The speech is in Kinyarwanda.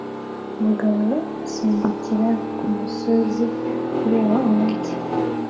Umugabo usimbukira kumusozi ureba umujyi